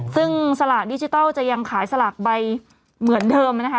ซึ่งสลากดิจิทัลจะยังขายสลากใบเหมือนเดิมนะคะ